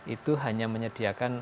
itu hanya menyediakan